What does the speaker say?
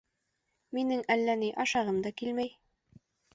— Минең әллә ни ашағым да килмәй.